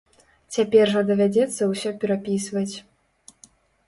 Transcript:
Цяпер жа давядзецца ўсё перапісваць.